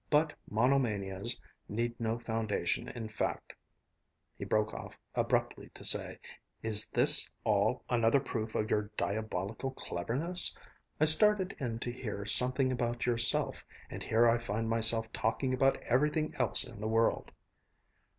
"But monomanias need no foundation in fact " He broke off abruptly to say: "Is this all another proof of your diabolical cleverness? I started in to hear something about yourself, and here I find myself talking about everything else in the world."